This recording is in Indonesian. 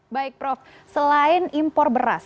baik prof selain impor beras